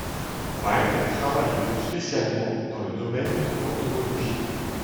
White travaille plus spécialement dans le domaine de l’entomologie.